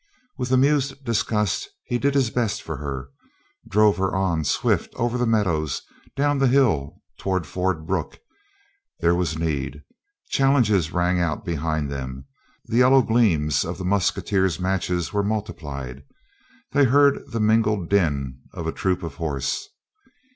With amused disgust he did his best for her, drove her on swift over the meadows, down hill toward Ford brook. There was need. Challenges rang out behind them. The yellow gleams of the musketeers' matches were multiplied. They heard the mingled din of a troop of horse.